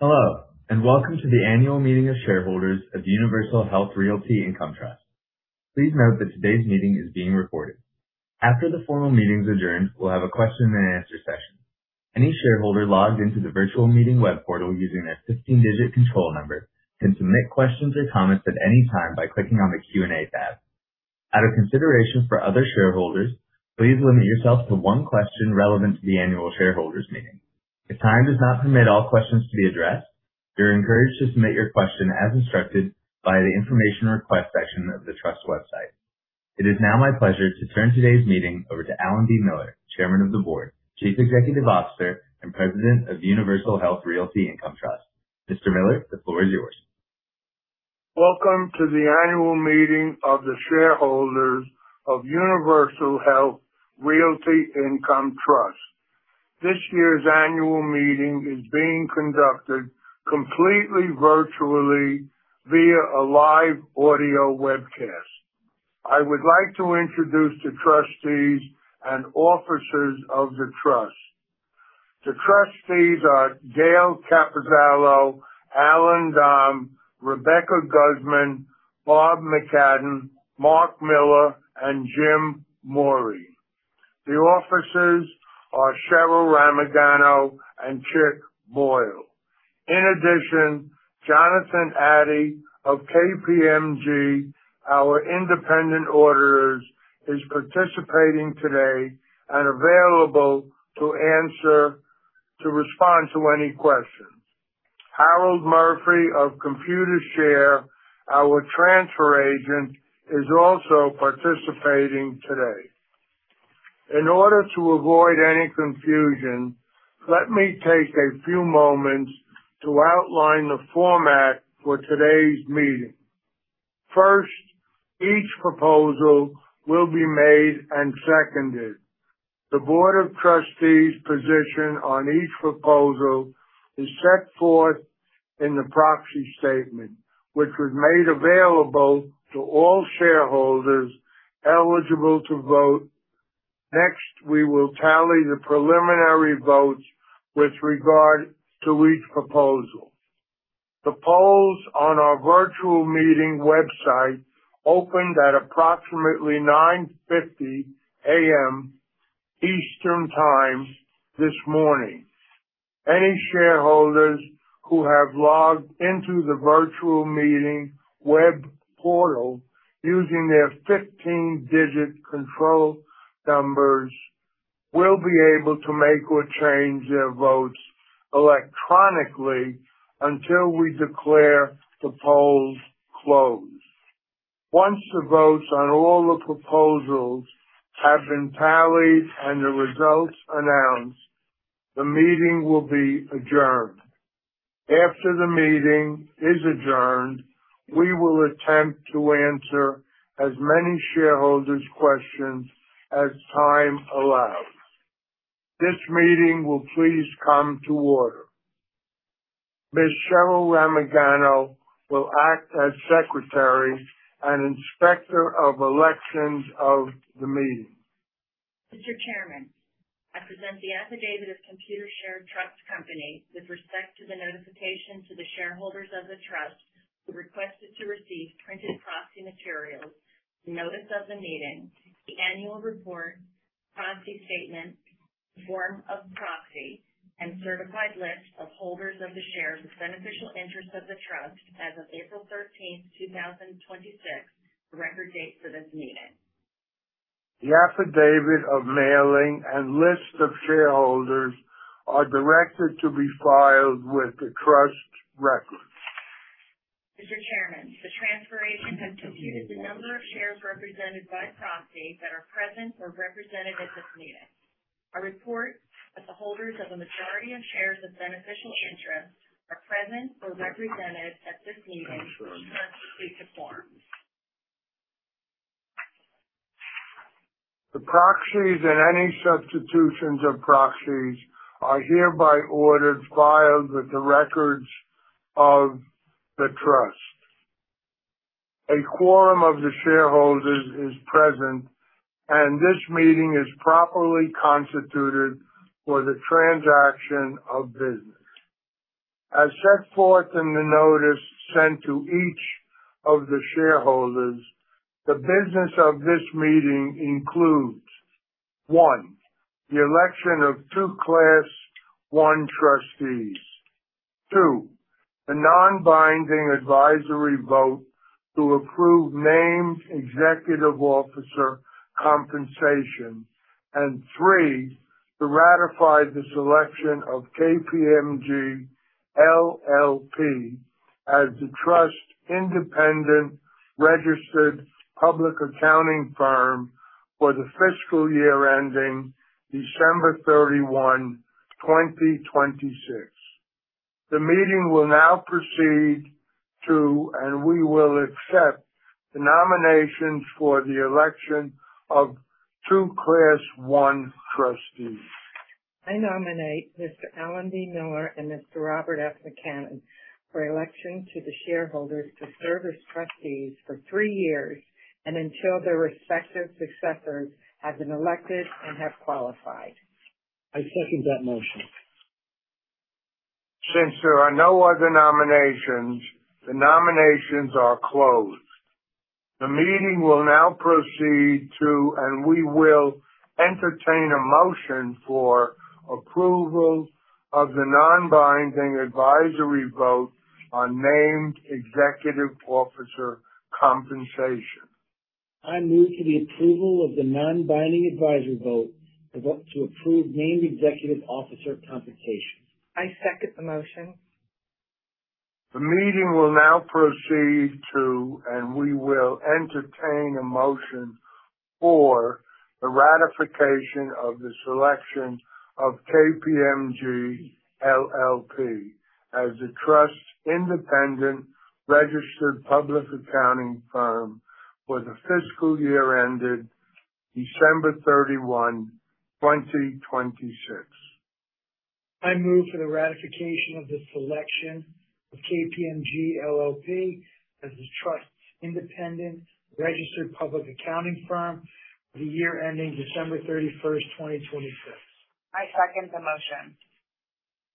Hello, and welcome to the annual meeting of shareholders of Universal Health Realty Income Trust. Please note that today's meeting is being recorded. After the formal meeting's adjourned, we will have a question and answer session. Any shareholder logged into the virtual meeting web portal using their 15-digit control number can submit questions or comments at any time by clicking on the Q&A tab. Out of consideration for other shareholders, please limit yourself to one question relevant to the annual shareholders meeting. If time does not permit all questions to be addressed, you are encouraged to submit your question as instructed via the information request section of the trust website. It is now my pleasure to turn today's meeting over to Alan B. Miller, Chairman of the Board, Chief Executive Officer, and President of Universal Health Realty Income Trust. Mr. Miller, the floor is yours. Welcome to the annual meeting of the shareholders of Universal Health Realty Income Trust. This year's annual meeting is being conducted completely virtually via a live audio webcast. I would like to introduce the trustees and officers of the trust. The trustees are Gayle Capozzalo, Allan Domb, Rebecca Guzman, Bob McCadden, Marc Miller, and Jim Morey. The officers are Cheryl Ramagano and Chick Boyle. In addition, Jonathan Addy of KPMG, our independent auditors, is participating today and available to respond to any questions. Harold Murphy of Computershare, our transfer agent, is also participating today. In order to avoid any confusion, let me take a few moments to outline the format for today's meeting. First, each proposal will be made and seconded. The board of trustees' position on each proposal is set forth in the proxy statement, which was made available to all shareholders eligible to vote. We will tally the preliminary votes with regard to each proposal. The polls on our virtual meeting website opened at approximately 9:50 A.M. Eastern Time this morning. Any shareholders who have logged into the virtual meeting web portal using their 15-digit control numbers will be able to make or change their votes electronically until we declare the polls closed. Once the votes on all the proposals have been tallied and the results announced, the meeting will be adjourned. After the meeting is adjourned, we will attempt to answer as many shareholders' questions as time allows. This meeting will please come to order. Ms. Cheryl Ramagano will act as Secretary and Inspector of Elections of the meeting. Mr. Chairman, I present the affidavit of Computershare Trust Company with respect to the notification to the shareholders of the trust who requested to receive printed proxy materials, notice of the meeting, the annual report, proxy statement, form of proxy, and certified list of holders of the shares of beneficial interest of the trust as of April 13th, 2026, the record date for this meeting. The affidavit of mailing and list of shareholders are directed to be filed with the trust records. Mr. Chairman, the transfer agent has computed the number of shares represented by proxy that are present or represented at this meeting. I report that the holders of a majority of shares of beneficial interest are present or represented at this meeting in accordance with the form. The proxies and any substitutions of proxies are hereby ordered filed with the records of the trust. A quorum of the shareholders is present, and this meeting is properly constituted for the transaction of business. As set forth in the notice sent to each of the shareholders, the business of this meeting includes, one, the election of two class I trustees. two, a non-binding advisory vote to approve named executive officer compensation. three, to ratify the selection of KPMG LLP as the trust's independent registered public accounting firm for the fiscal year ending December 31, 2026. The meeting will now proceed to, and we will accept the nominations for the election of two Class I trustees. I nominate Mr. Alan B. Miller and Mr. Robert F. McCadden for election to the shareholders to serve as trustees for three years and until their respective successors have been elected and have qualified. I second that motion. Since there are no other nominations, the nominations are closed. The meeting will now proceed to, and we will entertain a motion for approval of the non-binding advisory vote on named executive officer compensation. I move to the approval of the non-binding advisory vote to approve named executive officer compensation. I second the motion. The meeting will now proceed to, and we will entertain a motion for the ratification of the selection of KPMG LLP as the trust's independent registered public accounting firm for the fiscal year ended December 31, 2026. I move for the ratification of the selection of KPMG LLP as the trust's independent registered public accounting firm for the year ending December 31st, 2026. I second the motion.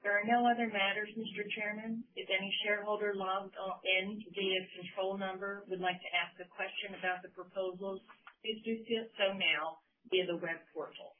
There are no other matters, Mr. Chairman. If any shareholder logged in via control number would like to ask a question about the proposals, please do so now via the web portal.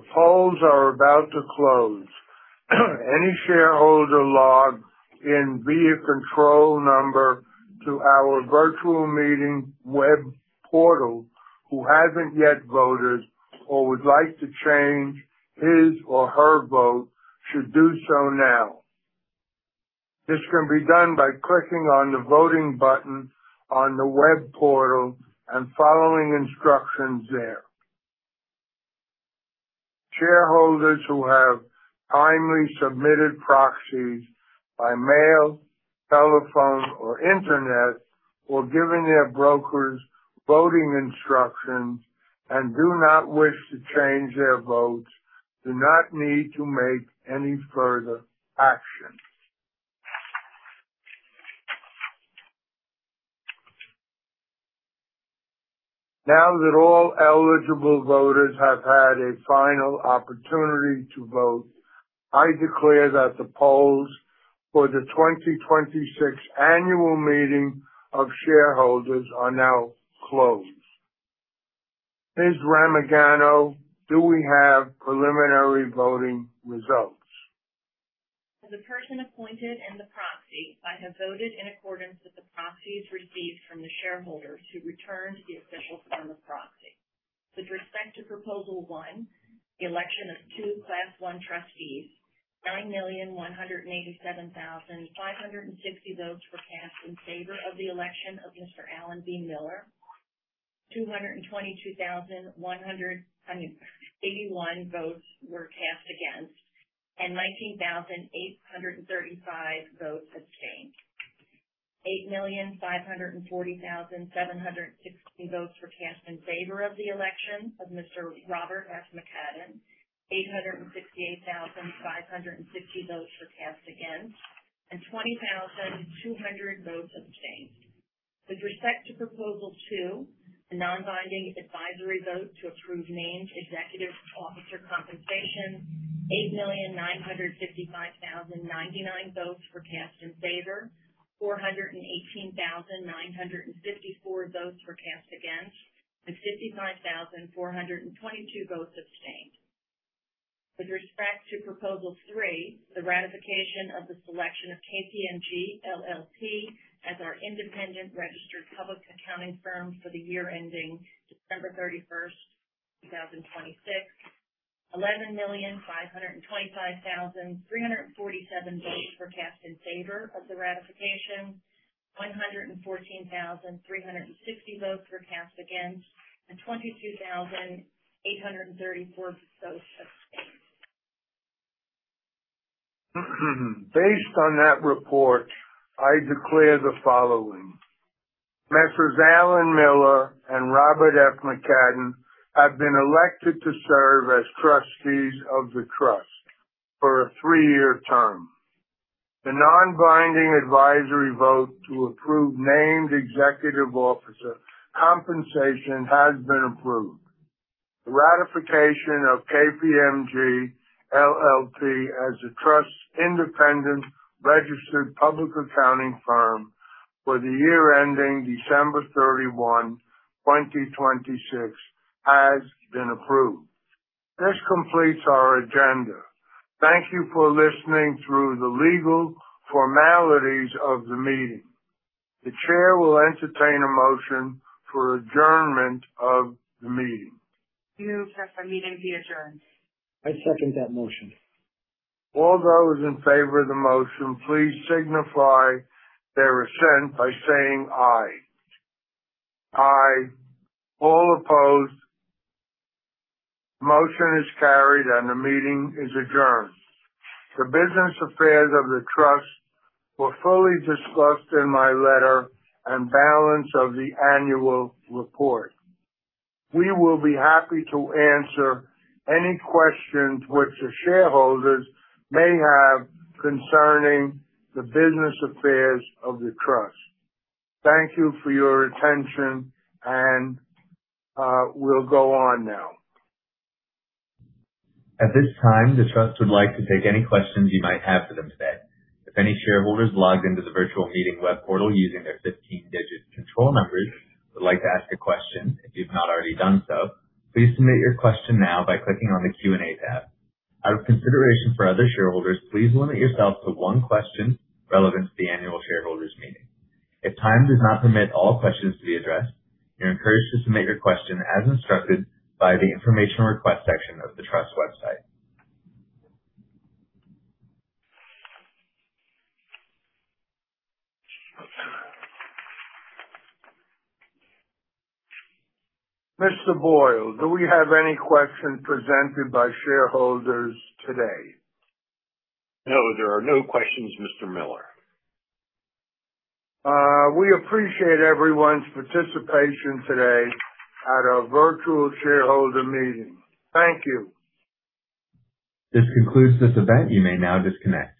The polls are about to close. Any shareholder logged in via control number to our virtual meeting web portal who hasn't yet voted or would like to change his or her vote should do so now. This can be done by clicking on the voting button on the web portal and following instructions there. Shareholders who have timely submitted proxies by mail, telephone, or internet, or given their brokers voting instructions and do not wish to change their votes, do not need to make any further action. Now that all eligible voters have had a final opportunity to vote, I declare that the polls for the 2026 annual meeting of shareholders are now closed. Ms. Ramagano, do we have preliminary voting results? As a person appointed and the proxy, I have voted in accordance with the proxies received from the shareholders who returned the official form of proxy. With respect to proposal one, the election of two class 1 trustees, 9,187,560 votes were cast in favor of the election of Mr. Alan B. Miller. 222,181 votes were cast against, and 19,835 votes abstained. 8,540,760 votes were cast in favor of the election of Mr. Robert F. McCadden. 868,560 votes were cast against, and 20,200 votes abstained. With respect to proposal two, the non-binding advisory vote to approve named executive officer compensation, 8,955,099 votes were cast in favor, 418,954 votes were cast against, and 59,422 votes abstained. With respect to proposal three, the ratification of the selection of KPMG LLP as our independent registered public accounting firm for the year ending December 31st, 2026, 11,525,347 votes were cast in favor of the ratification, 114,360 votes were cast against, and 22,834 votes abstained. Based on that report, I declare the following. Messrs. Alan Miller and Robert F. McCadden have been elected to serve as trustees of the trust for a three-year term. The non-binding advisory vote to approve named executive officer compensation has been approved. The ratification of KPMG LLP as the trust's independent registered public accounting firm for the year ending December 31, 2026, has been approved. This completes our agenda. Thank you for listening through the legal formalities of the meeting. The chair will entertain a motion for adjournment of the meeting. I move that the meeting be adjourned. I second that motion. All those in favor of the motion, please signify their assent by saying aye. Aye. All opposed. Motion is carried and the meeting is adjourned. The business affairs of the Trust were fully discussed in my letter and balance of the annual report. We will be happy to answer any questions which the shareholders may have concerning the business affairs of the Trust. Thank you for your attention. We'll go on now. At this time, the Trust would like to take any questions you might have for them today. If any shareholders logged into the virtual meeting web portal using their 15-digit control numbers would like to ask a question, if you've not already done so, please submit your question now by clicking on the Q&A tab. Out of consideration for other shareholders, please limit yourself to one question relevant to the annual shareholders meeting. If time does not permit all questions to be addressed, you're encouraged to submit your question as instructed by the information request section of the Trust website. Mr. Boyle, do we have any questions presented by shareholders today? No, there are no questions, Mr. Miller. We appreciate everyone's participation today at our virtual shareholder meeting. Thank you. This concludes this event. You may now disconnect.